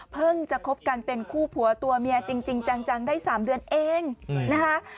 จะคบกันเป็นคู่ผัวตัวเมียจริงจังได้๓เดือนเองนะคะ